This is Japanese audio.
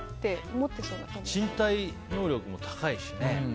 身体能力も高いしね。